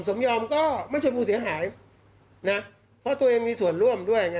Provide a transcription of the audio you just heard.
สมยอมก็ไม่ใช่ผู้เสียหายนะเพราะตัวเองมีส่วนร่วมด้วยไง